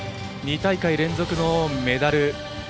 ２大会連続のメダル。